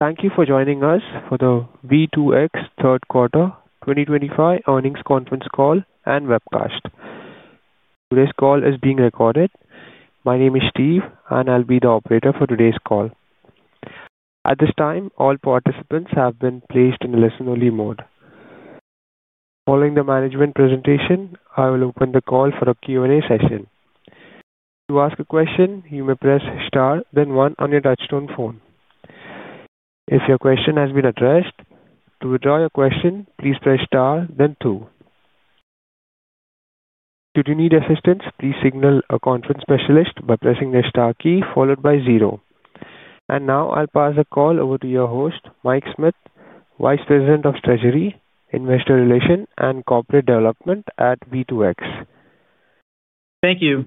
Thank you for joining us for the V2X third quarter 2025 earnings conference call and webcast. Today's call is being recorded. My name is Steve, and I'll be the operator for today's call. At this time, all participants have been placed in listen-only mode. Following the management presentation, I will open the call for a Q&A session. To ask a question, you may press Star, then 1 on your touch-tone phone. If your question has been addressed, to withdraw your question, please press Star, then 2. Should you need assistance, please signal a conference specialist by pressing the Star key followed by 0. Now I'll pass the call over to your host, Mike Smith, Vice President of Treasury, Investor Relations, and Corporate Development at V2X. Thank you.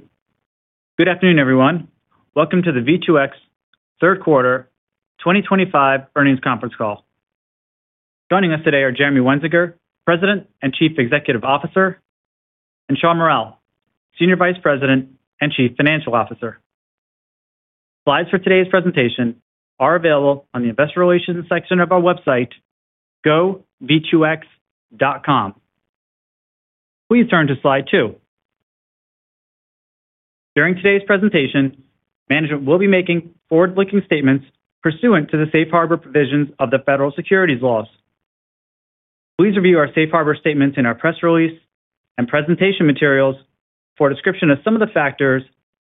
Good afternoon, everyone. Welcome to the V2X third quarter 2025 earnings conference call. Joining us today are Jeremy Wensinger, President and Chief Executive Officer, and Shawn Mural, Senior Vice President and Chief Financial Officer. Slides for today's presentation are available on the Investor Relations section of our website, gov2x.com. Please turn to slide 2. During today's presentation, management will be making forward-looking statements pursuant to the safe harbor provisions of the federal securities laws. Please review our safe harbor statements in our press release and presentation materials for a description of some of the factors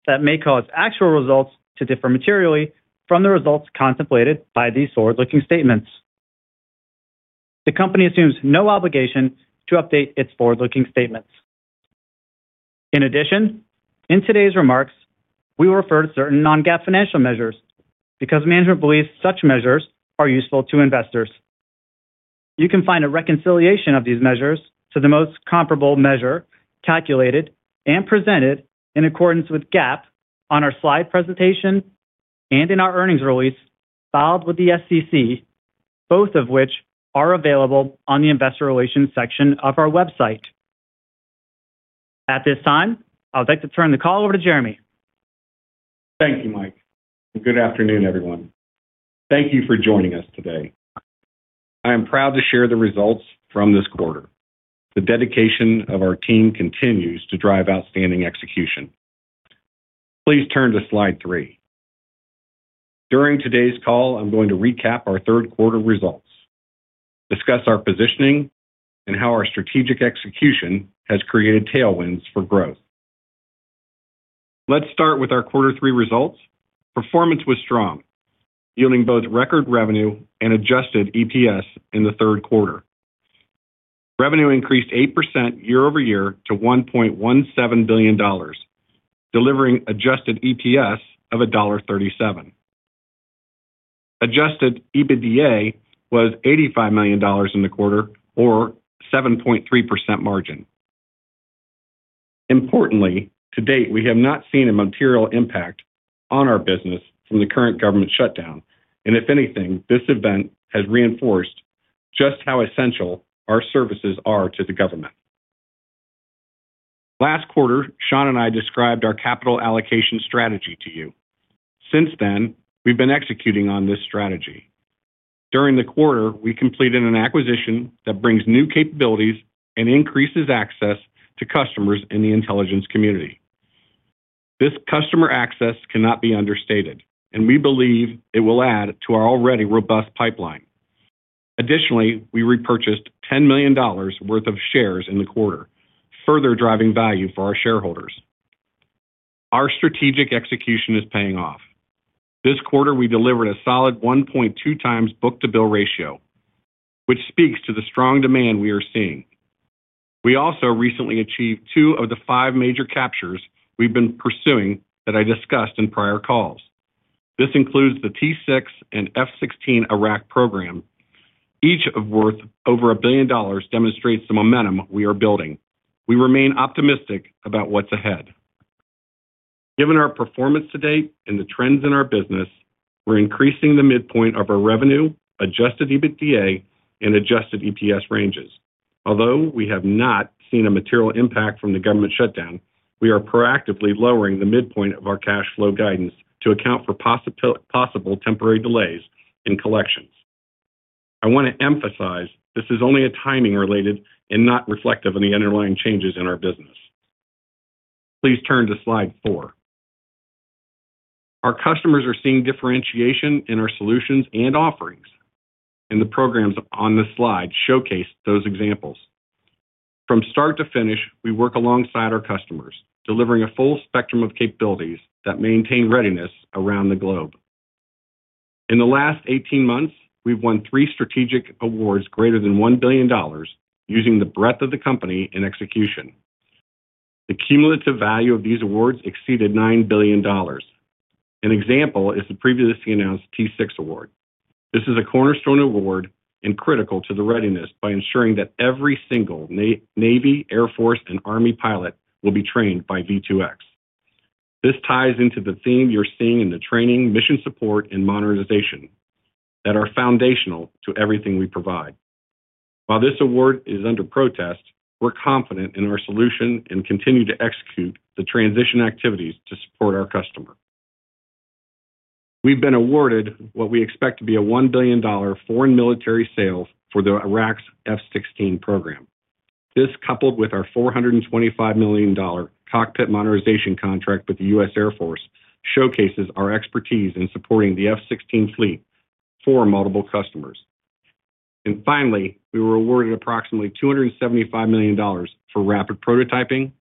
that may cause actual results to differ materially from the results contemplated by these forward-looking statements. The company assumes no obligation to update its forward-looking statements. In addition, in today's remarks, we will refer to certain non-GAAP financial measures because management believes such measures are useful to investors. You can find a reconciliation of these measures to the most comparable measure calculated and presented in accordance with GAAP on our slide presentation and in our earnings release filed with the SEC, both of which are available on the Investor Relations section of our website. At this time, I would like to turn the call over to Jeremy. Thank you, Mike. Good afternoon, everyone. Thank you for joining us today. I am proud to share the results from this quarter. The dedication of our team continues to drive outstanding execution. Please turn to slide 3. During today's call, I'm going to recap our third quarter results, discuss our positioning, and how our strategic execution has created tailwinds for growth. Let's start with our quarter 3 results. Performance was strong, yielding both record revenue and adjusted EPS in the third quarter. Revenue increased 8% year-over-year to $1.17 billion, delivering adjusted EPS of $1.37. Adjusted EBITDA was $85 million in the quarter, or 7.3% margin. Importantly, to date, we have not seen a material impact on our business from the current government shutdown. If anything, this event has reinforced just how essential our services are to the government. Last quarter, Shawn and I described our capital allocation strategy to you. Since then, we've been executing on this strategy. During the quarter, we completed an acquisition that brings new capabilities and increases access to customers in the intelligence community. This customer access cannot be understated, and we believe it will add to our already robust pipeline. Additionally, we repurchased $10 million worth of shares in the quarter, further driving value for our shareholders. Our strategic execution is paying off. This quarter, we delivered a solid 1.2 times book-to-bill ratio, which speaks to the strong demand we are seeing. We also recently achieved two of the five major captures we've been pursuing that I discussed in prior calls. This includes the T6 and F-16 Iraq program. Each of which is worth over a billion dollars and demonstrates the momentum we are building. We remain optimistic about what's ahead. Given our performance to date and the trends in our business, we're increasing the midpoint of our revenue, adjusted EBITDA, and adjusted EPS ranges. Although we have not seen a material impact from the government shutdown, we are proactively lowering the midpoint of our cash flow guidance to account for possible temporary delays in collections. I want to emphasize this is only timing-related and not reflective of any underlying changes in our business. Please turn to slide 4. Our customers are seeing differentiation in our solutions and offerings, and the programs on the slide showcase those examples. From start to finish, we work alongside our customers, delivering a full spectrum of capabilities that maintain readiness around the globe. In the last 18 months, we've won three strategic awards greater than $1 billion using the breadth of the company and execution. The cumulative value of these awards exceeded $9 billion. An example is the previously announced T6 award. This is a cornerstone award and critical to the readiness by ensuring that every single Navy, Air Force, and Army pilot will be trained by V2X. This ties into the theme you're seeing in the training, mission support, and modernization that are foundational to everything we provide. While this award is under protest, we're confident in our solution and continue to execute the transition activities to support our customer. We've been awarded what we expect to be a $1 billion foreign military sale for Iraq's F-16 program. This, coupled with our $425 million cockpit modernization contract with the U.S. Air Force, showcases our expertise in supporting the F-16 fleet for multiple customers. Finally, we were awarded approximately $275 million for rapid prototyping,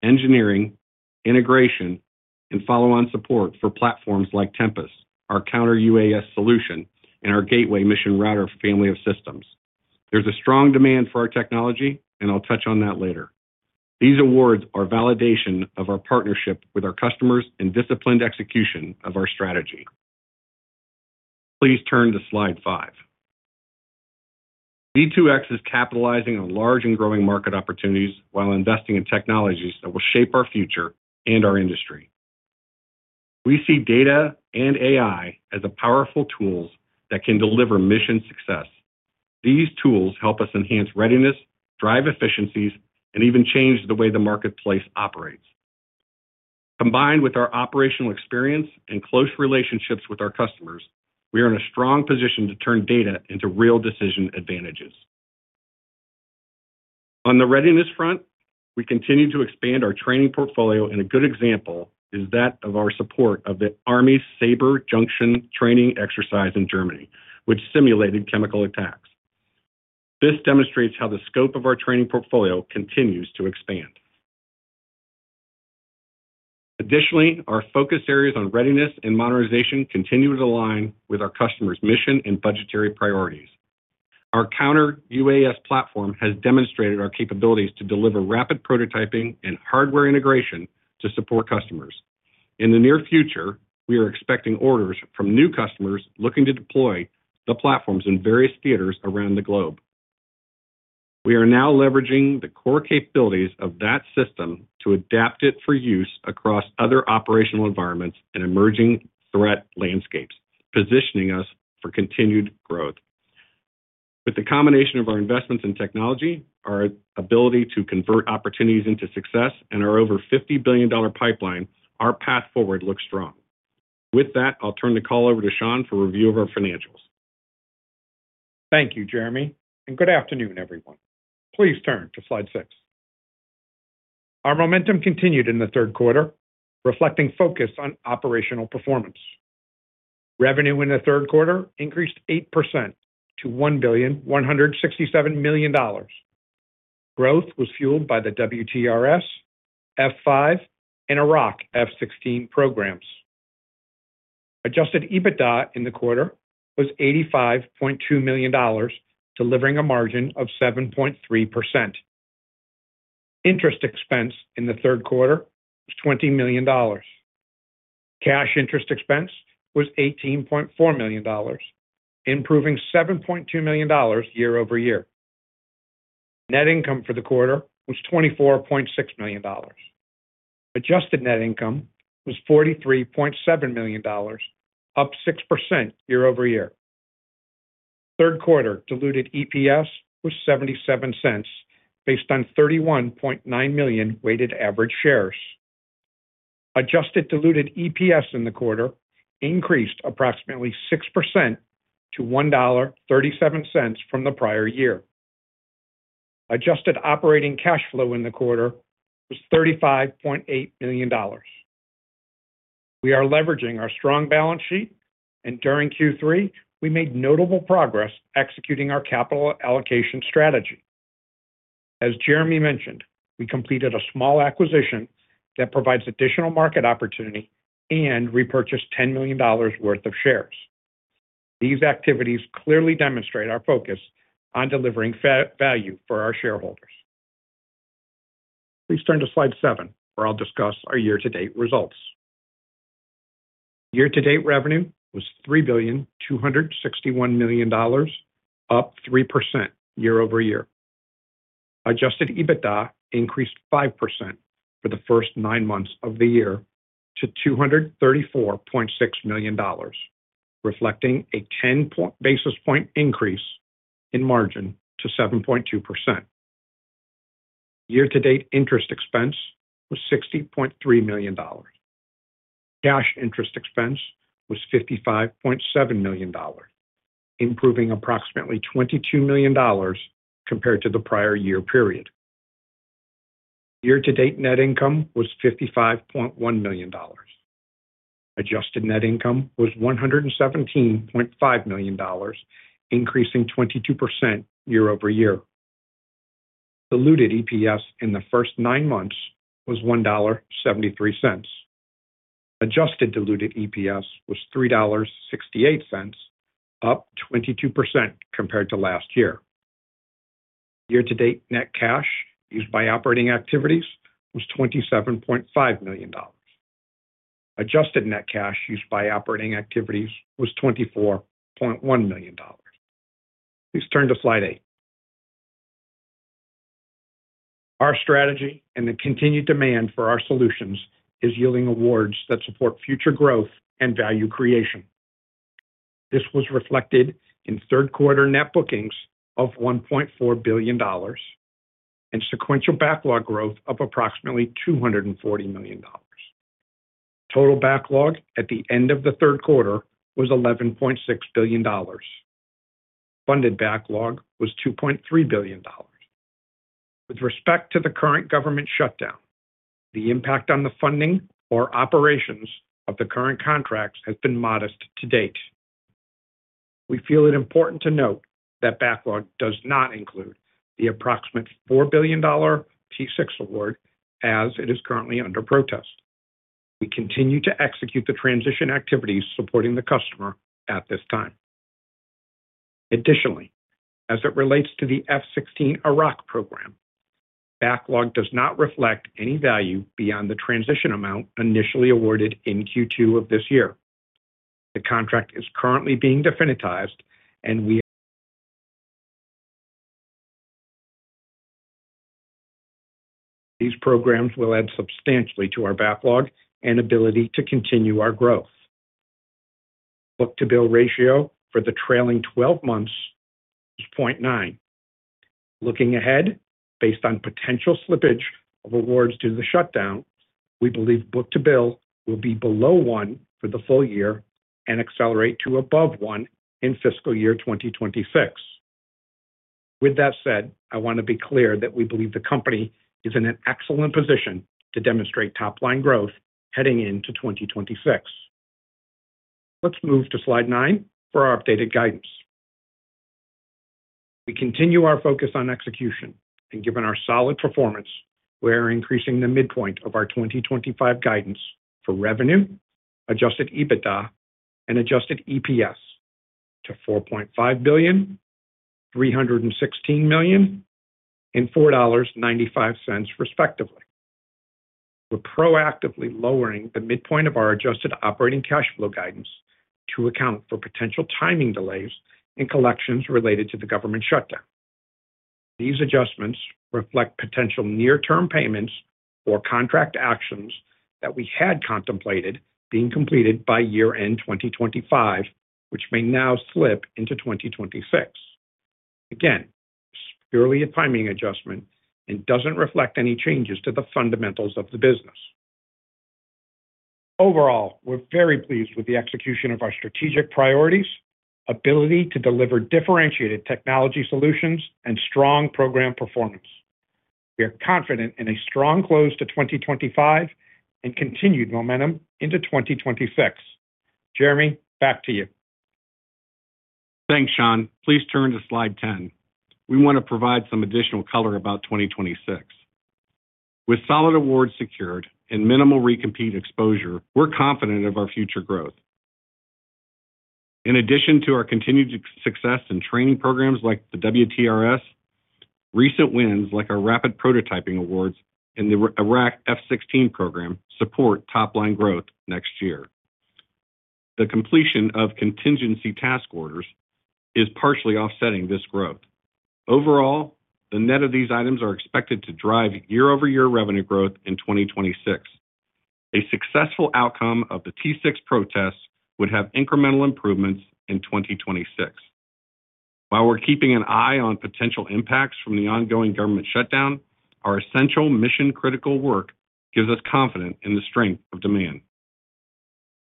engineering, integration, and follow-on support for platforms like Tempest, our counter-UAS solution, and our Gateway Mission Router family of systems. There's a strong demand for our technology, and I'll touch on that later. These awards are validation of our partnership with our customers and disciplined execution of our strategy. Please turn to slide 5. V2X is capitalizing on large and growing market opportunities while investing in technologies that will shape our future and our industry. We see data and AI as powerful tools that can deliver mission success. These tools help us enhance readiness, drive efficiencies, and even change the way the marketplace operates. Combined with our operational experience and close relationships with our customers, we are in a strong position to turn data into real decision advantages. On the readiness front, we continue to expand our training portfolio, and a good example is that of our support of the Army Sabre Junction training exercise in Germany, which simulated chemical attacks. This demonstrates how the scope of our training portfolio continues to expand. Additionally, our focus areas on readiness and modernization continue to align with our customers' mission and budgetary priorities. Our counter-UAS platform has demonstrated our capabilities to deliver rapid prototyping and hardware integration to support customers. In the near future, we are expecting orders from new customers looking to deploy the platforms in various theaters around the globe. We are now leveraging the core capabilities of that system to adapt it for use across other operational environments and emerging threat landscapes, positioning us for continued growth. With the combination of our investments in technology, our ability to convert opportunities into success, and our over $50 billion pipeline, our path forward looks strong. With that, I'll turn the call over to Shawn for review of our financials. Thank you, Jeremy. And good afternoon, everyone. Please turn to slide 6. Our momentum continued in the third quarter, reflecting focus on operational performance. Revenue in the third quarter increased 8% to $1.167 billion. Growth was fueled by the W-TRS, F5, and F-16 Iraq programs. Adjusted EBITDA in the quarter was $85.2 million, delivering a margin of 7.3%. Interest expense in the third quarter was $20 million. Cash interest expense was $18.4 million, improving $7.2 million year-over-year. Net income for the quarter was $24.6 million. Adjusted net income was $43.7 million, up 6% year-over-year. Third quarter diluted EPS was $0.77 based on 31.9 million weighted average shares. Adjusted diluted EPS in the quarter increased approximately 6% to $1.37 from the prior year. Adjusted operating cash flow in the quarter was $35.8 million. We are leveraging our strong balance sheet, and during Q3, we made notable progress executing our capital allocation strategy. As Jeremy mentioned, we completed a small acquisition that provides additional market opportunity and repurchased $10 million worth of shares. These activities clearly demonstrate our focus on delivering value for our shareholders. Please turn to slide 7, where I'll discuss our year-to-date results. Year-to-date revenue was $3.261 billion, up 3% year-over-year. Adjusted EBITDA increased 5% for the first nine months of the year to $234.6 million, reflecting a 10 basis point increase in margin to 7.2%. Year-to-date interest expense was $60.3 million. Cash interest expense was $55.7 million, improving approximately $22 million compared to the prior year period. Year-to-date net income was $55.1 million. Adjusted net income was $117.5 million, increasing 22% year-over-year. Diluted EPS in the first nine months was $1.73. Adjusted diluted EPS was $3.68, up 22% compared to last year. Year-to-date net cash used by operating activities was $27.5 million. Adjusted net cash used by operating activities was $24.1 million. Please turn to slide 8. Our strategy and the continued demand for our solutions is yielding awards that support future growth and value creation. This was reflected in third quarter net bookings of $1.4 billion and sequential backlog growth of approximately $240 million. Total backlog at the end of the third quarter was $11.6 billion. Funded backlog was $2.3 billion. With respect to the current government shutdown, the impact on the funding or operations of the current contracts has been modest to date. We feel it important to note that backlog does not include the approximate $4 billion T6 award, as it is currently under protest. We continue to execute the transition activities supporting the customer at this time. Additionally, as it relates to the F-16 Iraq program, backlog does not reflect any value beyond the transition amount initially awarded in Q2 of this year. The contract is currently being definitized, and we. These programs will add substantially to our backlog and ability to continue our growth. Book-to-bill ratio for the trailing 12 months is 0.9. Looking ahead, based on potential slippage of awards due to the shutdown, we believe book-to-bill will be below one for the full year and accelerate to above one in fiscal year 2026. With that said, I want to be clear that we believe the company is in an excellent position to demonstrate top-line growth heading into 2026. Let's move to slide 9 for our updated guidance. We continue our focus on execution, and given our solid performance, we are increasing the midpoint of our 2025 guidance for revenue, adjusted EBITDA, and adjusted EPS to $4.5 billion, $316 million, and $4.95 respectively. We're proactively lowering the midpoint of our adjusted operating cash flow guidance to account for potential timing delays and collections related to the government shutdown. These adjustments reflect potential near-term payments or contract actions that we had contemplated being completed by year-end 2025, which may now slip into 2026. Again, this is purely a timing adjustment and doesn't reflect any changes to the fundamentals of the business. Overall, we're very pleased with the execution of our strategic priorities, ability to deliver differentiated technology solutions, and strong program performance. We are confident in a strong close to 2025 and continued momentum into 2026. Jeremy, back to you. Thanks, Shawn. Please turn to slide 10. We want to provide some additional color about 2026. With solid awards secured and minimal recompete exposure, we're confident of our future growth. In addition to our continued success in training programs like the W-TRS, recent wins like our rapid prototyping awards and the Iraq F-16 program support top-line growth next year. The completion of contingency task orders is partially offsetting this growth. Overall, the net of these items are expected to drive year-over-year revenue growth in 2026. A successful outcome of the T6 protests would have incremental improvements in 2026. While we're keeping an eye on potential impacts from the ongoing government shutdown, our essential mission-critical work gives us confidence in the strength of demand.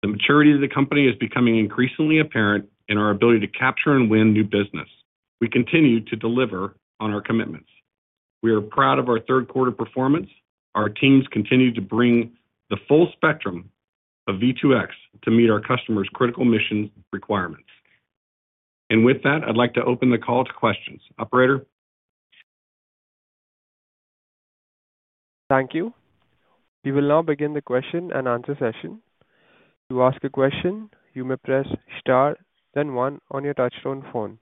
The maturity of the company is becoming increasingly apparent in our ability to capture and win new business. We continue to deliver on our commitments. We are proud of our third-quarter performance. Our teams continue to bring the full spectrum of V2X to meet our customers' critical mission requirements. With that, I'd like to open the call to questions. Operator. Thank you. We will now begin the question and answer session. To ask a question, you may press Star, then 1 on your touch-tone phone.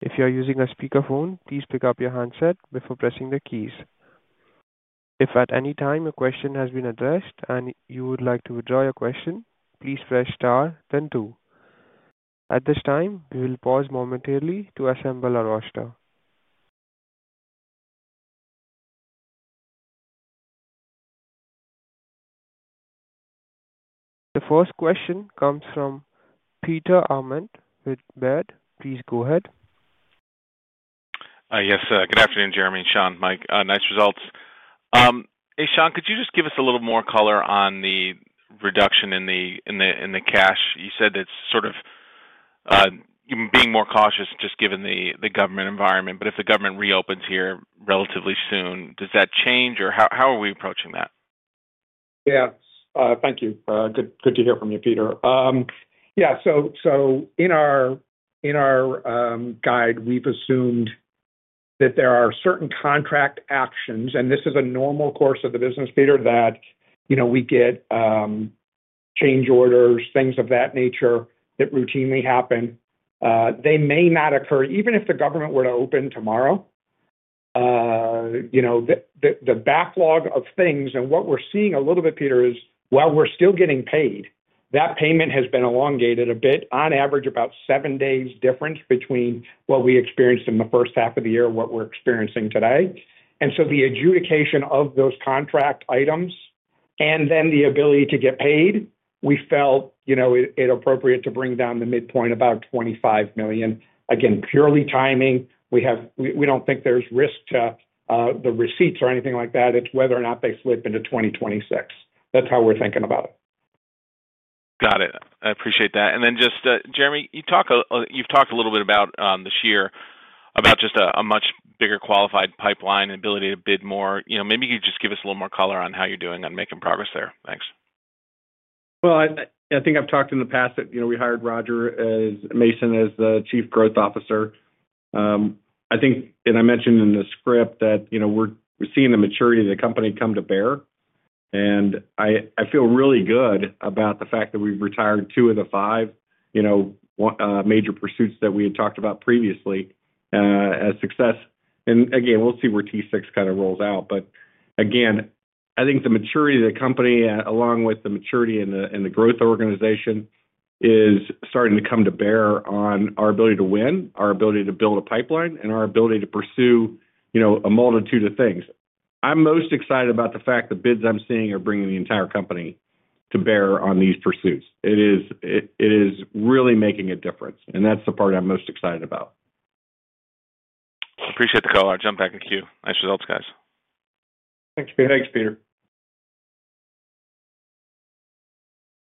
If you are using a speakerphone, please pick up your handset before pressing the keys. If at any time a question has been addressed and you would like to withdraw your question, please press Star, then 2. At this time, we will pause momentarily to assemble our roster. The first question comes from Peter Arment with Baird. Please go ahead. Yes. Good afternoon, Jeremy and Shawn. Mike, nice results. Hey, Shawn, could you just give us a little more color on the reduction in the cash? You said it's sort of being more cautious just given the government environment. If the government reopens here relatively soon, does that change? Or how are we approaching that? Yeah. Thank you. Good to hear from you, Peter. Yeah. In our guide, we've assumed that there are certain contract actions, and this is a normal course of the business, Peter, that we get. Change orders, things of that nature that routinely happen. They may not occur even if the government were to open tomorrow. The backlog of things and what we're seeing a little bit, Peter, is while we're still getting paid, that payment has been elongated a bit, on average about seven days difference between what we experienced in the first half of the year and what we're experiencing today. The adjudication of those contract items and then the ability to get paid, we felt it appropriate to bring down the midpoint about $25 million. Again, purely timing. We do not think there's risk to the receipts or anything like that. It's whether or not they slip into 2026. That's how we're thinking about it. Got it. I appreciate that. Jeremy, you've talked a little bit this year about just a much bigger qualified pipeline and ability to bid more. Maybe you could just give us a little more color on how you're doing on making progress there. Thanks. I think I've talked in the past that we hired Roger Mason as the Chief Growth Officer. I think, and I mentioned in the script, that we're seeing the maturity of the company come to bear. I feel really good about the fact that we've retired two of the five major pursuits that we had talked about previously as success. Again, we'll see where T6 kind of rolls out. I think the maturity of the company, along with the maturity in the growth organization, is starting to come to bear on our ability to win, our ability to build a pipeline, and our ability to pursue a multitude of things. I'm most excited about the fact the bids I'm seeing are bringing the entire company to bear on these pursuits. It is really making a difference. That's the part I'm most excited about. Appreciate the color. I'll jump back in queue. Nice results, guys. Thanks, Peter.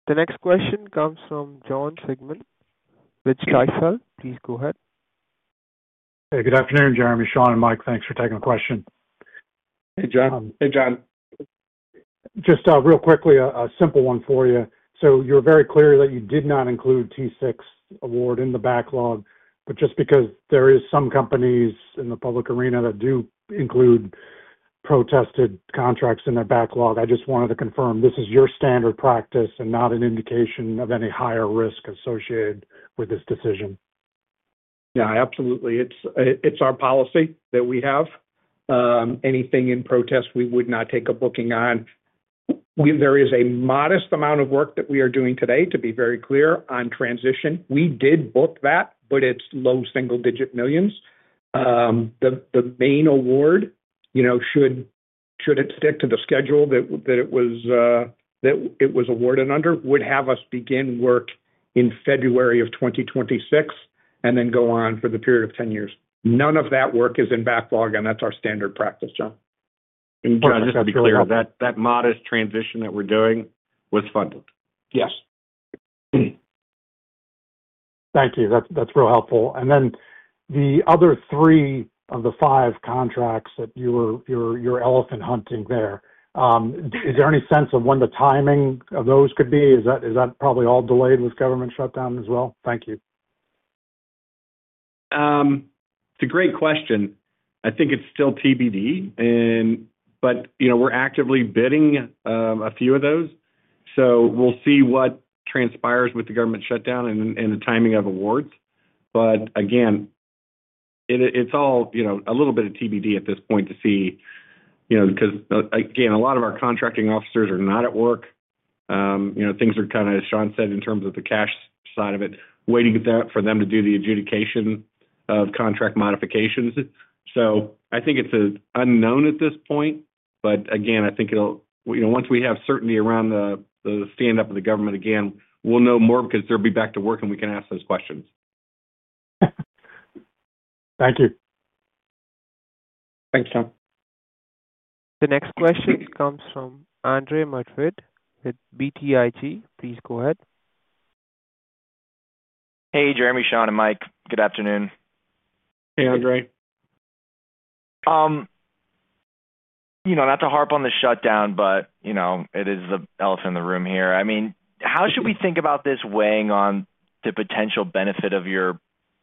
The next question comes from John Siegmann with Stifel. Please go ahead. Hey, good afternoon, Jeremy, Shawn, and Mike. Thanks for taking the question. Hey, John. Hey, John. Just real quickly, a simple one for you. You're very clear that you did not include T6 award in the backlog. Just because there are some companies in the public arena that do include protested contracts in their backlog, I just wanted to confirm this is your standard practice and not an indication of any higher risk associated with this decision. Yeah, absolutely. It's our policy that we have. Anything in protest, we would not take a booking on. There is a modest amount of work that we are doing today, to be very clear, on transition. We did book that, but it's low single-digit millions. The main award, should it stick to the schedule that it was awarded under, would have us begin work in February of 2026 and then go on for the period of 10 years. None of that work is in backlog, and that's our standard practice, John. Just to be clear, that modest transition that we're doing was funded? Yes. Thank you. That's real helpful. The other three of the five contracts that you're elephant hunting there, is there any sense of when the timing of those could be? Is that probably all delayed with government shutdown as well? Thank you. It's a great question. I think it's still TBD. We're actively bidding a few of those. We'll see what transpires with the government shutdown and the timing of awards. Again, it's all a little bit of TBD at this point to see. Because again, a lot of our contracting officers are not at work. Things are kind of, as Shawn said, in terms of the cash side of it, waiting for them to do the adjudication of contract modifications. I think it's an unknown at this point. Again, I think once we have certainty around the stand-up of the government again, we'll know more because they'll be back to work, and we can ask those questions. Thank you. Thanks, John. The next question comes from Andre Madrid with BTIG. Please go ahead. Hey, Jeremy, Shawn, and Mike. Good afternoon. Hey, Andre. Not to harp on the shutdown, but it is the elephant in the room here. I mean, how should we think about this weighing on the potential benefit of your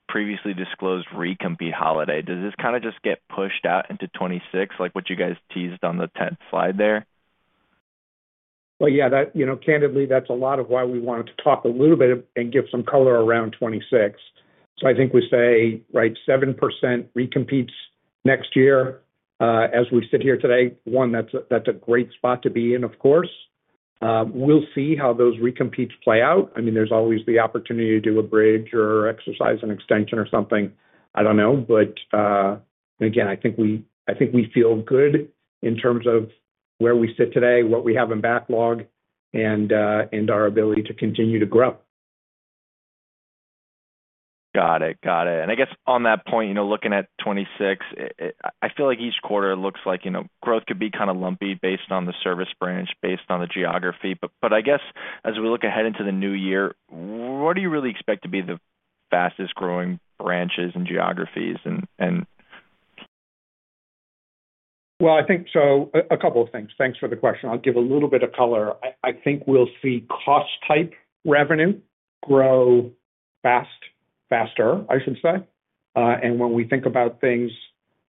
previously disclosed recompete holiday? Does this kind of just get pushed out into 2026, like what you guys teased on the 10th slide there? Yeah, candidly, that's a lot of why we wanted to talk a little bit and give some color around 2026. I think we say, right, 7% recompetes next year. As we sit here today, one, that's a great spot to be in, of course. We'll see how those recompetes play out. I mean, there's always the opportunity to do a bridge or exercise an extension or something. I don't know. Again, I think we feel good in terms of where we sit today, what we have in backlog, and our ability to continue to grow. Got it. Got it. I guess on that point, looking at 2026, I feel like each quarter looks like growth could be kind of lumpy based on the service branch, based on the geography. I guess as we look ahead into the new year, what do you really expect to be the fastest-growing branches and geographies? I think a couple of things. Thanks for the question. I'll give a little bit of color. I think we'll see cost-type revenue grow faster, I should say. When we think about things,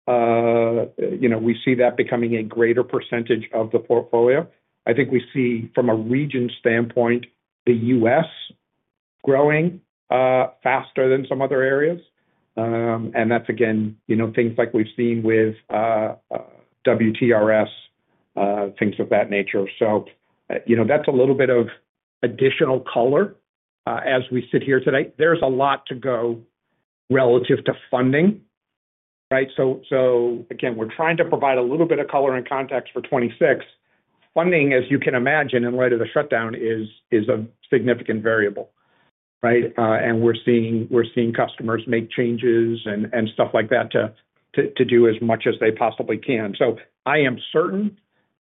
we see that becoming a greater percentage of the portfolio. I think we see, from a region standpoint, the U.S. growing faster than some other areas. That is, again, things like we've seen with W-TRS, things of that nature. That is a little bit of additional color as we sit here today. There is a lot to go relative to funding, right? Again, we're trying to provide a little bit of color and context for 2026. Funding, as you can imagine, in light of the shutdown, is a significant variable, right? We're seeing customers make changes and stuff like that to do as much as they possibly can. I am certain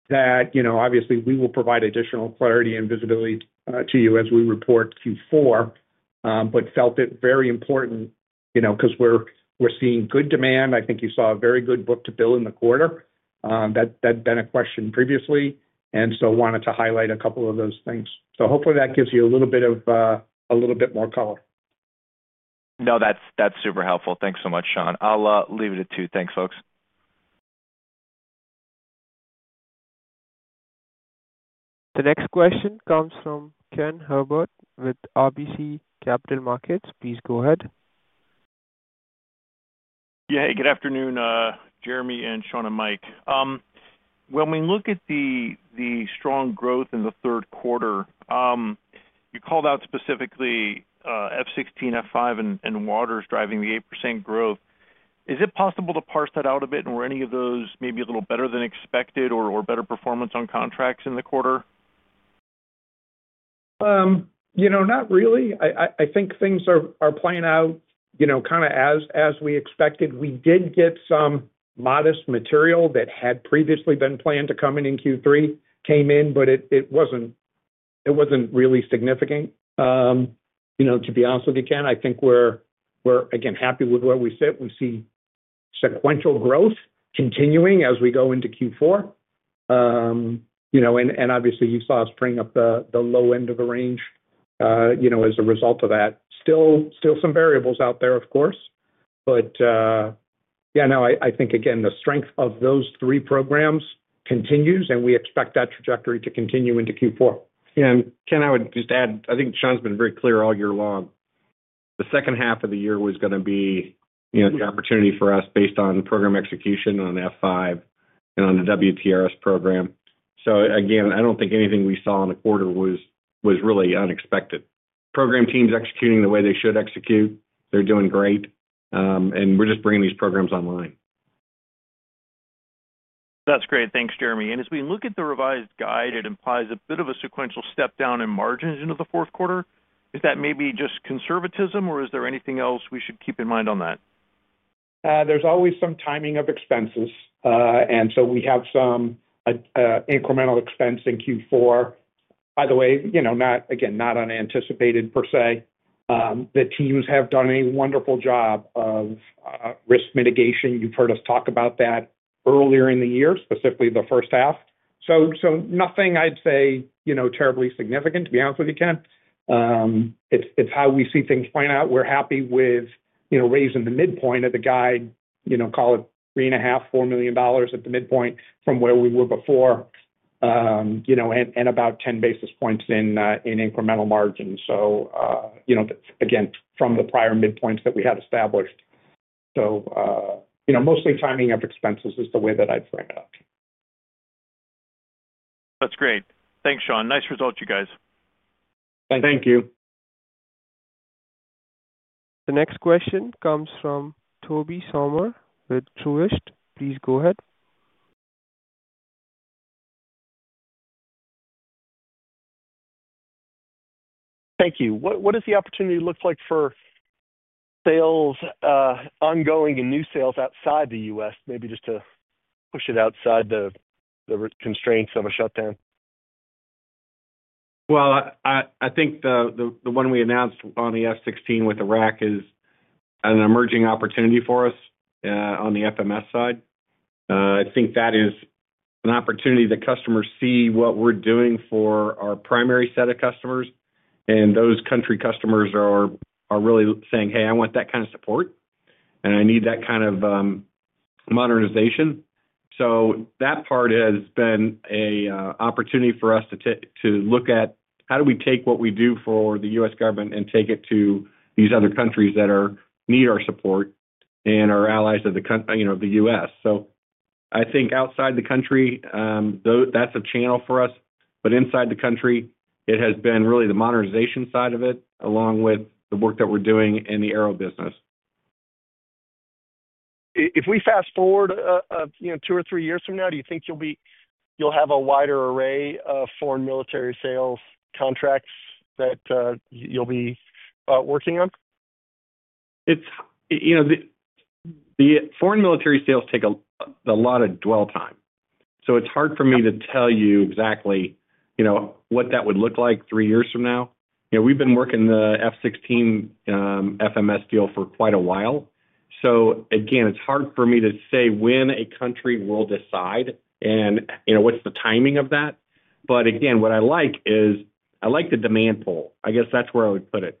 that, obviously, we will provide additional clarity and visibility to you as we report Q4, but felt it very important because we're seeing good demand. I think you saw a very good book-to-bill in the quarter. That had been a question previously, and wanted to highlight a couple of those things. Hopefully, that gives you a little bit more color. No, that's super helpful. Thanks so much, Shawn. I'll leave it at two. Thanks, folks. The next question comes from Ken Herbert with RBC Capital Markets. Please go ahead. Yeah. Hey, good afternoon, Jeremy and Shawn and Mike. When we look at the strong growth in the third quarter, you called out specifically F-16, F5, and W-TRS driving the 8% growth. Is it possible to parse that out a bit? Were any of those maybe a little better than expected or better performance on contracts in the quarter? Not really. I think things are playing out kind of as we expected. We did get some modest material that had previously been planned to come in in Q3, came in, but it was not really significant. To be honest with you, Ken, I think we are, again, happy with where we sit. We see sequential growth continuing as we go into Q4. Obviously, you saw us bring up the low end of the range as a result of that. Still some variables out there, of course. Yeah, no, I think, again, the strength of those three programs continues, and we expect that trajectory to continue into Q4. Ken, I would just add, I think Shawn's been very clear all year long. The second half of the year was going to be the opportunity for us based on program execution on F5 and on the W-TRS program. Again, I do not think anything we saw in the quarter was really unexpected. Program teams executing the way they should execute. They're doing great. We're just bringing these programs online. That's great. Thanks, Jeremy. As we look at the revised guide, it implies a bit of a sequential step down in margins into the fourth quarter. Is that maybe just conservatism, or is there anything else we should keep in mind on that? There's always some timing of expenses. And so we have some incremental expense in Q4. By the way, again, not unanticipated per se. The teams have done a wonderful job of risk mitigation. You've heard us talk about that earlier in the year, specifically the first half. So nothing I'd say terribly significant, to be honest with you, Ken. It's how we see things playing out. We're happy with raising the midpoint of the guide, call it $3.5 million-$4 million at the midpoint from where we were before, and about 10 basis points in incremental margins. So again, from the prior midpoints that we had established. So mostly timing of expenses is the way that I'd frame it up. That's great. Thanks, Shawn. Nice result, you guys. Thank you. The next question comes from Toby Sommer with Truist. Please go ahead. Thank you. What does the opportunity look like for sales, ongoing and new sales outside the U.S., maybe just to push it outside the right constraints of a shutdown? I think the one we announced on the F-16 with Iraq is an emerging opportunity for us on the FMS side. I think that is an opportunity that customers see what we're doing for our primary set of customers. Those country customers are really saying, "Hey, I want that kind of support. I need that kind of modernization." That part has been an opportunity for us to look at how do we take what we do for the U.S. government and take it to these other countries that need our support and are allies of the U.S. I think outside the country, that's a channel for us. Inside the country, it has been really the modernization side of it, along with the work that we're doing in the aero business. If we fast forward two or three years from now, do you think you'll have a wider array of foreign military sales contracts that you'll be working on? The foreign military sales take a lot of dwell time. So it's hard for me to tell you exactly what that would look like three years from now. We've been working the F-16 FMS deal for quite a while. So again, it's hard for me to say when a country will decide and what's the timing of that. But again, what I like is I like the demand pull. I guess that's where I would put it.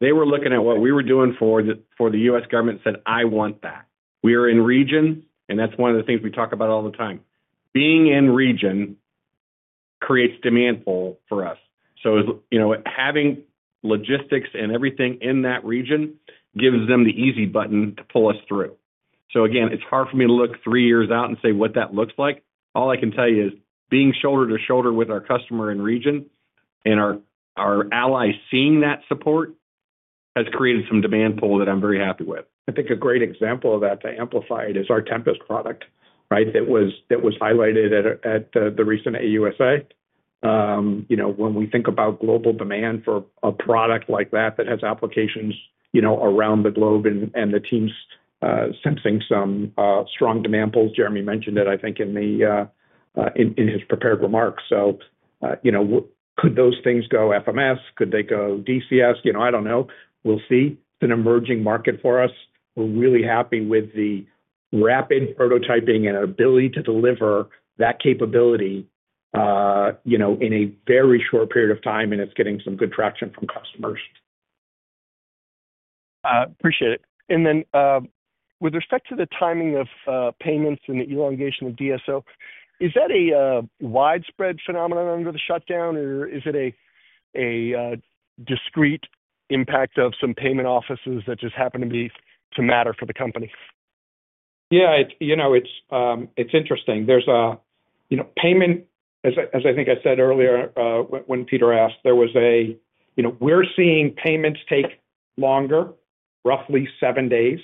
They were looking at what we were doing for the U.S. government and said, "I want that." We are in region, and that's one of the things we talk about all the time. Being in region creates demand pull for us. So having logistics and everything in that region gives them the easy button to pull us through. So again, it's hard for me to look three years out and say what that looks like. All I can tell you is being shoulder to shoulder with our customer in region and our allies seeing that support has created some demand pull that I'm very happy with. I think a great example of that to amplify it is our Tempest product, right, that was highlighted at the recent AUSA. When we think about global demand for a product like that that has applications around the globe and the teams sensing some strong demand pulls, Jeremy mentioned it, I think, in his prepared remarks. So could those things go FMS? Could they go DCS? I don't know. We'll see. It's an emerging market for us. We're really happy with the rapid prototyping and ability to deliver that capability in a very short period of time, and it's getting some good traction from customers. Appreciate it. Then with respect to the timing of payments and the elongation of DSO, is that a widespread phenomenon under the shutdown, or is it a discrete impact of some payment offices that just happened to matter for the company? Yeah, it's interesting. There's a payment, as I think I said earlier when Peter asked, we're seeing payments take longer, roughly seven days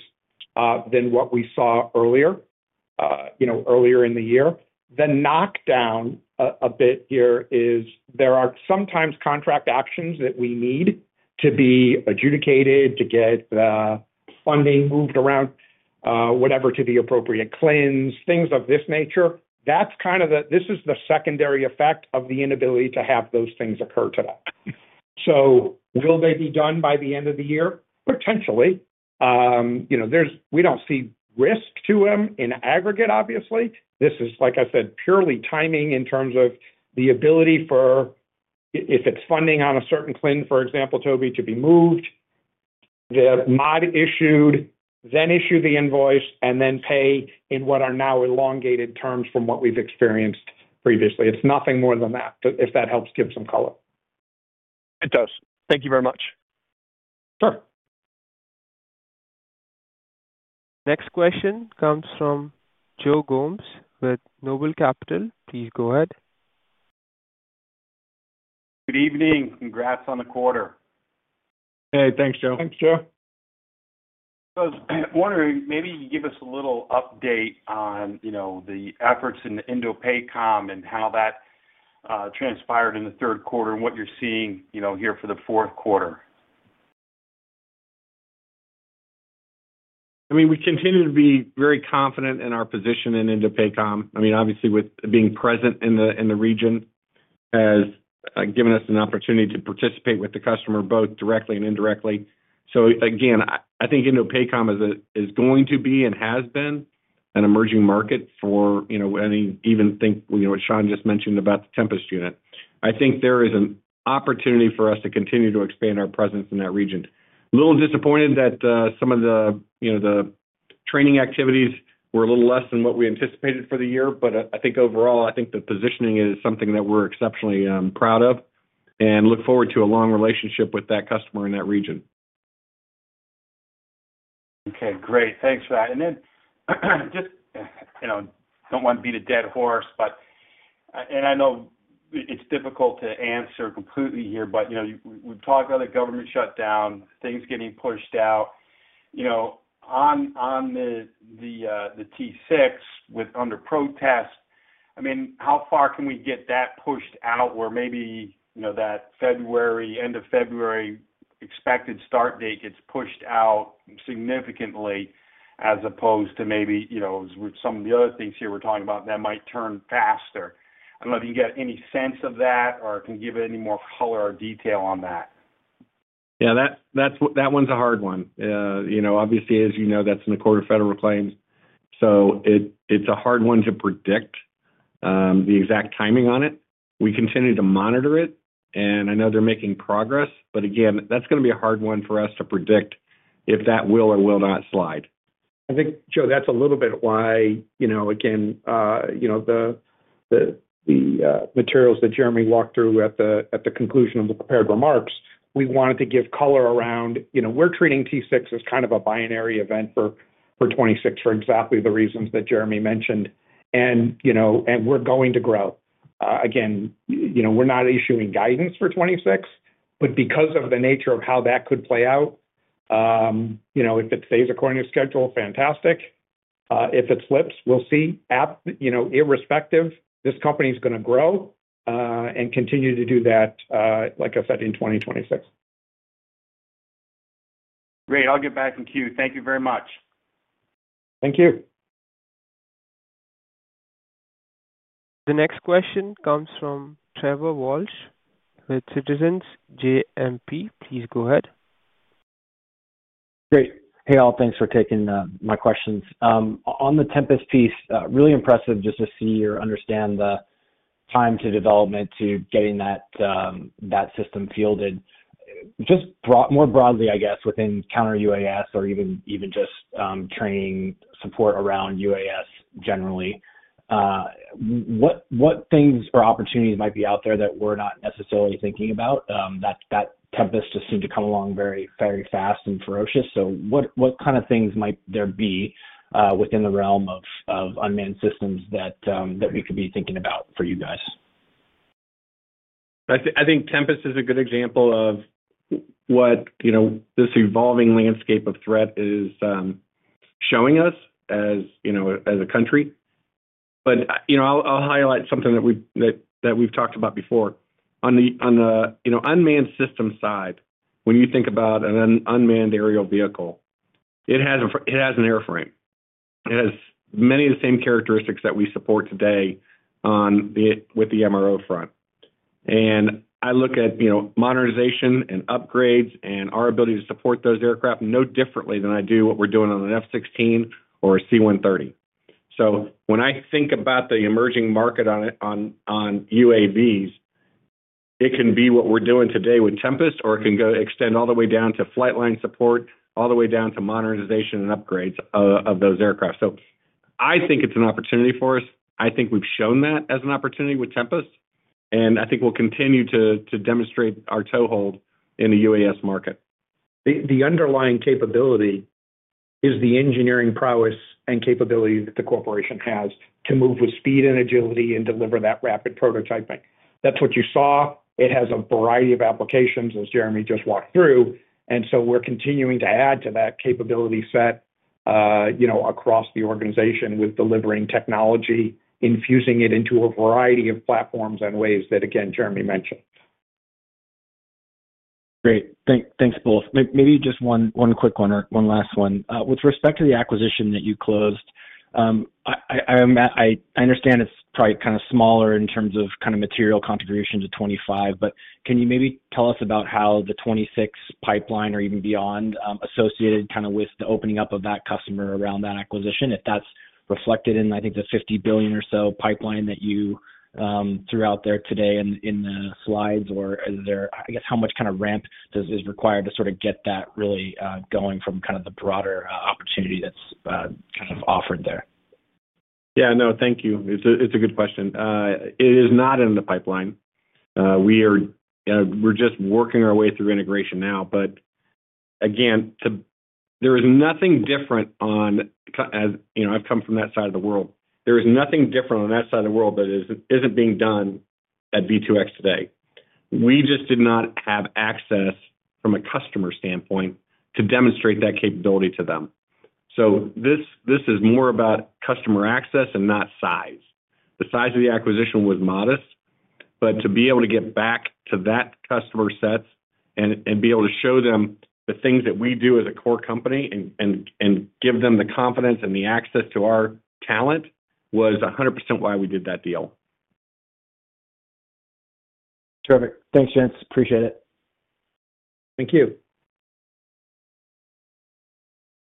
than what we saw earlier in the year. The knockdown a bit here is there are sometimes contract actions that need to be adjudicated to get funding moved around, whatever, to the appropriate cleans, things of this nature. That's kind of the secondary effect of the inability to have those things occur today. Will they be done by the end of the year? Potentially. We don't see risk to them in aggregate, obviously. This is, like I said, purely timing in terms of the ability for, if it's funding on a certain clean, for example, Toby, to be moved. They have not issued, then issue the invoice, and then pay in what are now elongated terms from what we've experienced previously. It's nothing more than that, if that helps give some color. It does. Thank you very much. Sure. Next question comes from Joe Gomes with Noble Capital. Please go ahead. Good evening. Congrats on the quarter. Hey, thanks, Joe. Thanks, Joe. I was wondering, maybe you give us a little update on the efforts in INDOPACOM and how that transpired in the third quarter and what you're seeing here for the fourth quarter. I mean, we continue to be very confident in our position in INDOPACOM. I mean, obviously, with being present in the region has given us an opportunity to participate with the customer both directly and indirectly. Again, I think INDOPACOM is going to be and has been an emerging market for us. I even think what Shawn just mentioned about the Tempest unit, I think there is an opportunity for us to continue to expand our presence in that region. A little disappointed that some of the training activities were a little less than what we anticipated for the year, but I think overall, I think the positioning is something that we're exceptionally proud of and look forward to a long relationship with that customer in that region. Okay, great. Thanks for that. Just, I do not want to beat a dead horse, but I know it is difficult to answer completely here, but we have talked about the government shutdown, things getting pushed out. On the T6 with under protest, I mean, how far can we get that pushed out where maybe that February, end of February, expected start date gets pushed out significantly as opposed to maybe some of the other things here we are talking about that might turn faster? I do not know if you get any sense of that or can give any more color or detail on that. Yeah, that one's a hard one. Obviously, as you know, that's in the quarter federal claims. So it's a hard one to predict the exact timing on it. We continue to monitor it. And I know they're making progress, but again, that's going to be a hard one for us to predict if that will or will not slide. I think, Joe, that's a little bit why, again, the materials that Jeremy walked through at the conclusion of the prepared remarks, we wanted to give color around we're treating T6 as kind of a binary event for 2026 for exactly the reasons that Jeremy mentioned. We're going to grow. Again, we're not issuing guidance for 2026, but because of the nature of how that could play out. If it stays according to schedule, fantastic. If it slips, we'll see. Irrespective, this company is going to grow and continue to do that, like I said, in 2026. Great. I'll get back in queue. Thank you very much. Thank you. The next question comes from Trevor Walsh with Citizens JMP. Please go ahead. Great. Hey, all. Thanks for taking my questions. On the Tempest piece, really impressive just to see or understand the time to development to getting that system fielded. Just more broadly, I guess, within counter UAS or even just training support around UAS generally. What things or opportunities might be out there that we're not necessarily thinking about? That Tempest just seemed to come along very fast and ferocious. What kind of things might there be within the realm of unmanned systems that we could be thinking about for you guys? I think Tempest is a good example of what this evolving landscape of threat is showing us as a country. I'll highlight something that we've talked about before. On the unmanned system side, when you think about an unmanned aerial vehicle, it has an airframe. It has many of the same characteristics that we support today with the MRO front. I look at modernization and upgrades and our ability to support those aircraft no differently than I do what we're doing on an F-16 or a C-130. When I think about the emerging market on UAVs, it can be what we're doing today with Tempest, or it can extend all the way down to flight line support, all the way down to modernization and upgrades of those aircraft. I think it's an opportunity for us. I think we've shown that as an opportunity with Tempest. I think we'll continue to demonstrate our toehold in the UAS market. The underlying capability is the engineering prowess and capability that the corporation has to move with speed and agility and deliver that rapid prototyping. That's what you saw. It has a variety of applications, as Jeremy just walked through. We're continuing to add to that capability set across the organization with delivering technology, infusing it into a variety of platforms and ways that, again, Jeremy mentioned. Great. Thanks, both. Maybe just one quick one or one last one. With respect to the acquisition that you closed. I understand it's probably kind of smaller in terms of kind of material contribution to 2025, but can you maybe tell us about how the 2026 pipeline or even beyond associated kind of with the opening up of that customer around that acquisition, if that's reflected in, I think, the $50 billion or so pipeline that you threw out there today in the slides, or is there, I guess, how much kind of ramp is required to sort of get that really going from kind of the broader opportunity that's kind of offered there? Yeah, no, thank you. It's a good question. It is not in the pipeline. We're just working our way through integration now. Again, there is nothing different on, as I've come from that side of the world, there is nothing different on that side of the world that isn't being done at V2X today. We just did not have access from a customer standpoint to demonstrate that capability to them. This is more about customer access and not size. The size of the acquisition was modest, but to be able to get back to that customer set and be able to show them the things that we do as a core company and give them the confidence and the access to our talent was 100% why we did that deal. Terrific. Thanks, gents. Appreciate it. Thank you.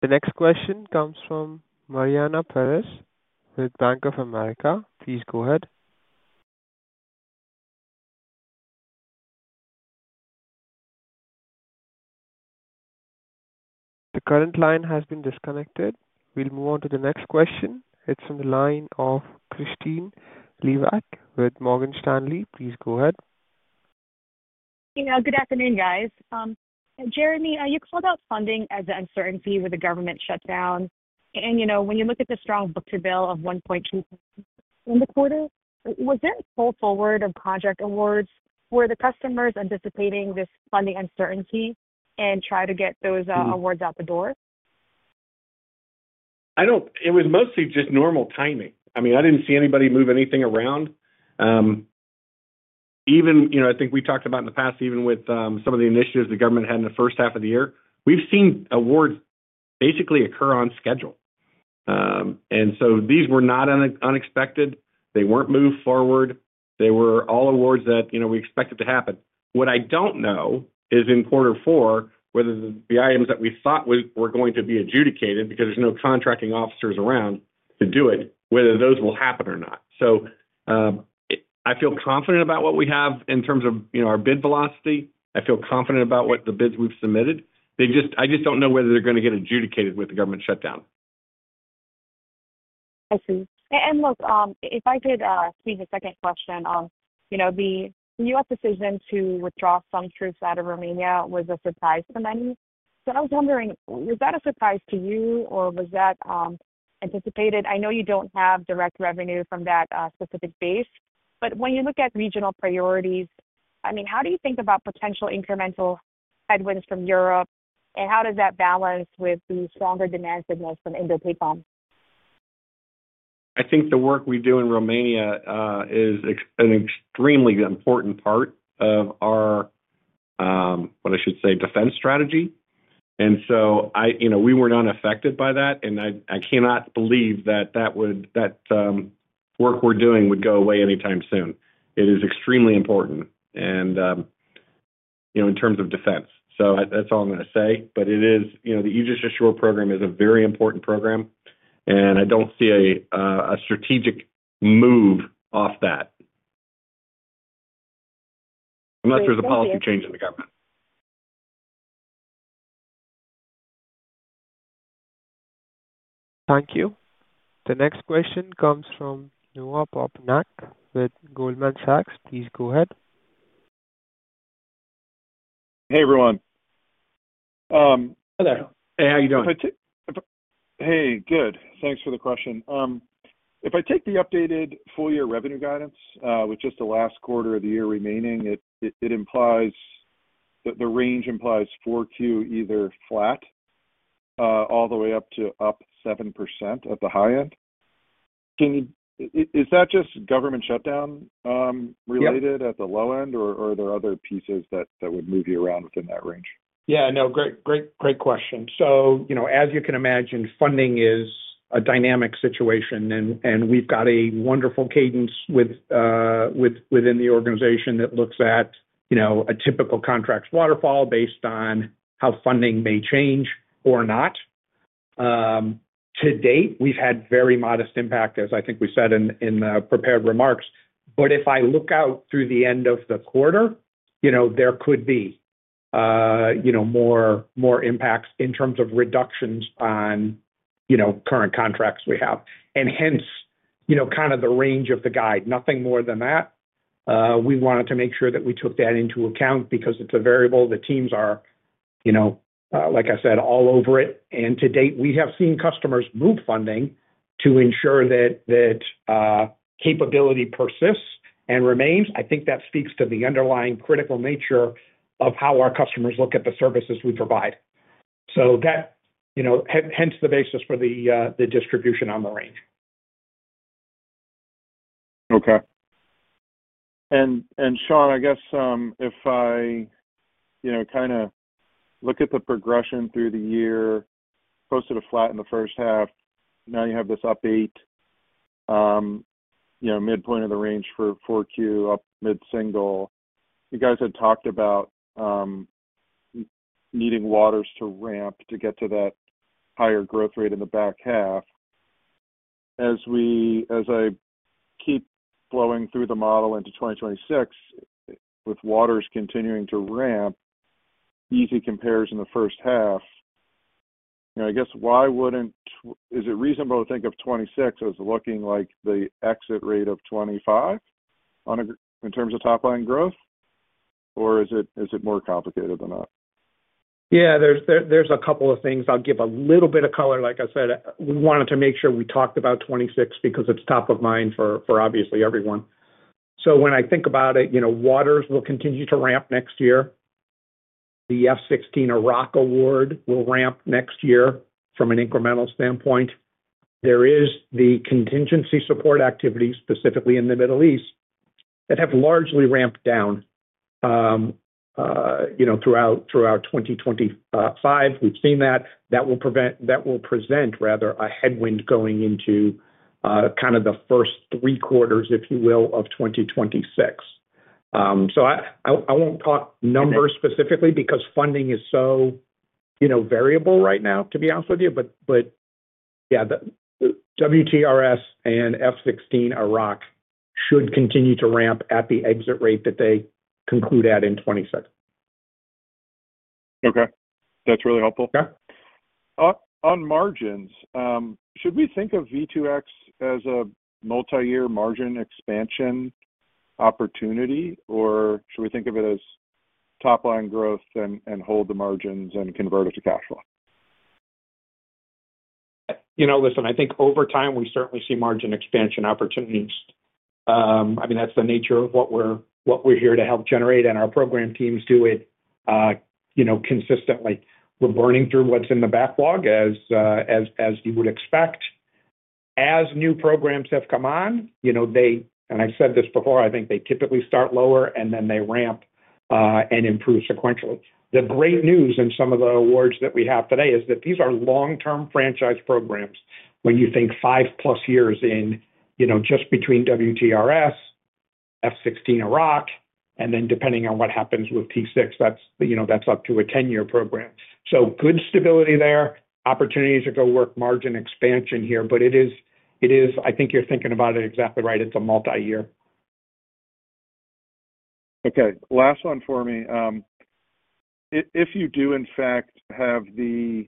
The next question comes from Mariana Perez with Bank of America. Please go ahead. The current line has been disconnected. We'll move on to the next question. It's from the line of Kristine Liwag with Morgan Stanley. Please go ahead. Good afternoon, guys. Jeremy, you called out funding as an uncertainty with the government shutdown. When you look at the strong book-to-bill of 1.2% in the quarter, was there a pull forward of contract awards where the customers are anticipating this funding uncertainty and try to get those awards out the door? It was mostly just normal timing. I mean, I didn't see anybody move anything around. I think we talked about in the past, even with some of the initiatives the government had in the first half of the year, we've seen awards basically occur on schedule. These were not unexpected. They weren't moved forward. They were all awards that we expected to happen. What I don't know is in quarter four, whether the items that we thought were going to be adjudicated, because there's no contracting officers around to do it, whether those will happen or not. I feel confident about what we have in terms of our bid velocity. I feel confident about what the bids we've submitted. I just don't know whether they're going to get adjudicated with the government shutdown. I see. Look, if I could tweak a second question on. The U.S. decision to withdraw some troops out of Romania was a surprise to many. I was wondering, was that a surprise to you, or was that anticipated? I know you don't have direct revenue from that specific base, but when you look at regional priorities, I mean, how do you think about potential incremental headwinds from Europe, and how does that balance with the stronger demand signals from INDOPACOM? I think the work we do in Romania is an extremely important part of our, what I should say, defense strategy. We were not affected by that, and I cannot believe that work we're doing would go away anytime soon. It is extremely important in terms of defense. That is all I'm going to say. The EGIS Assure program is a very important program, and I do not see a strategic move off that. I'm not sure it's a policy change in the government. Thank you. The next question comes from Noah Poponak with Goldman Sachs. Please go ahead. Hey, everyone. Hello. Hey, how are you doing? Hey, good. Thanks for the question. If I take the updated full-year revenue guidance with just the last quarter of the year remaining, it implies, the range implies Q4 either flat all the way up to up 7% at the high end. Is that just government shutdown related at the low end, or are there other pieces that would move you around within that range? Yeah, no, great question. As you can imagine, funding is a dynamic situation, and we've got a wonderful cadence within the organization that looks at a typical contract waterfall based on how funding may change or not. To date, we've had very modest impact, as I think we said in the prepared remarks. If I look out through the end of the quarter, there could be more impacts in terms of reductions on current contracts we have. Hence, kind of the range of the guide, nothing more than that. We wanted to make sure that we took that into account because it's a variable. The teams are, like I said, all over it. To date, we have seen customers move funding to ensure that capability persists and remains. I think that speaks to the underlying critical nature of how our customers look at the services we provide. Hence the basis for the distribution on the range. Okay. Shawn, I guess if I kind of look at the progression through the year, posted a flat in the first half, now you have this update. Midpoint of the range for Q4, up mid-single. You guys had talked about needing W-TRS to ramp to get to that higher growth rate in the back half. As I keep flowing through the model into 2026, with W-TRS continuing to ramp, easy compares in the first half. I guess, why wouldn't—is it reasonable to think of 2026 as looking like the exit rate of 2025 in terms of top-line growth? Or is it more complicated than that? Yeah, there's a couple of things. I'll give a little bit of color, like I said. We wanted to make sure we talked about 2026 because it's top of mind for obviously everyone. When I think about it, W-TRS will continue to ramp next year. The F-16 Iraq award will ramp next year from an incremental standpoint. There is the contingency support activities, specifically in the Middle East, that have largely ramped down throughout 2025. We've seen that. That will present, rather, a headwind going into kind of the first three quarters, if you will, of 2026. I won't talk numbers specifically because funding is so variable right now, to be honest with you. But yeah, W-TRS and F-16 Iraq should continue to ramp at the exit rate that they conclude at in 2026. Okay. That's really helpful. On margins, should we think of V2X as a multi-year margin expansion opportunity, or should we think of it as top-line growth and hold the margins and convert it to cash flow? Listen, I think over time, we certainly see margin expansion opportunities. I mean, that's the nature of what we're here to help generate, and our program teams do it consistently. We're burning through what's in the backlog, as you would expect. As new programs have come on, and I've said this before, I think they typically start lower, and then they ramp and improve sequentially. The great news in some of the awards that we have today is that these are long-term franchise programs. When you think five-plus years in just between W-TRS, F-16 Iraq, and then depending on what happens with T6, that's up to a 10-year program. Good stability there, opportunities to go work margin expansion here, but it is, I think you're thinking about it exactly right. It's a multi-year. Okay. Last one for me. If you do, in fact, have the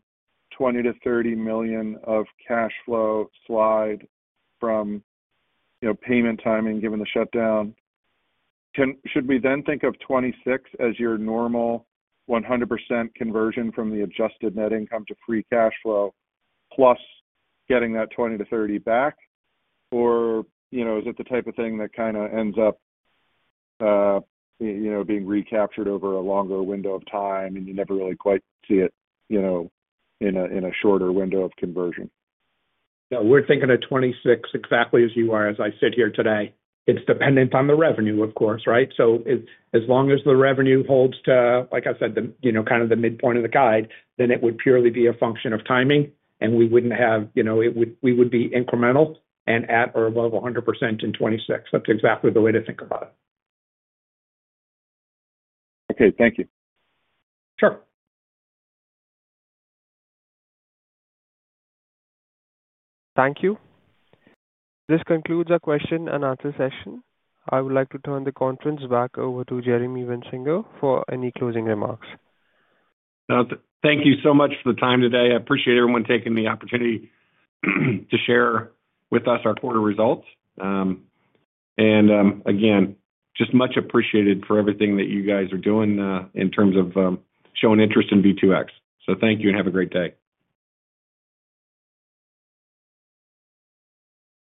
$20 million-$30 million of cash flow slide from payment timing given the shutdown, should we then think of 2026 as your normal 100% conversion from the adjusted net income to free cash flow plus getting that $20 million-$30 million back? Or is it the type of thing that kind of ends up being recaptured over a longer window of time, and you never really quite see it in a shorter window of conversion? Yeah, we're thinking of 2026 exactly as you are, as I sit here today. It's dependent on the revenue, of course, right? As long as the revenue holds to, like I said, kind of the midpoint of the guide, then it would purely be a function of timing, and we wouldn't have it would be incremental and at or above 100% in 2026. That's exactly the way to think about it. Okay, thank you. Sure. Thank you. This concludes our question and answer session. I would like to turn the conference back over to Jeremy Wensinger for any closing remarks. Thank you so much for the time today. I appreciate everyone taking the opportunity to share with us our quarter results. Again, just much appreciated for everything that you guys are doing in terms of showing interest in V2X. Thank you and have a great day.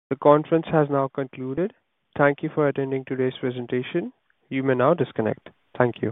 The conference has now concluded. Thank you for attending today's presentation. You may now disconnect. Thank you.